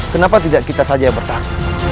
kenapa tidak kita saja yang bertarung